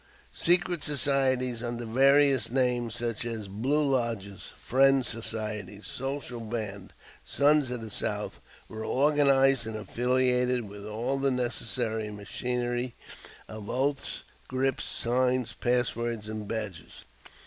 Secret societies under various names, such as "Blue Lodges," "Friends' Society," "Social Band," "Sons of the South," were organized and affiliated, with all the necessary machinery of oaths, grips, signs, passwords, and badges.